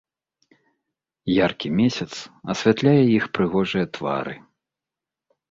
Яркі месяц асвятляе іх прыгожыя твары.